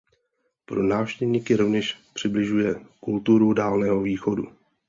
Pro návštěvníky rovněž přibližuje kulturu Dálného východu.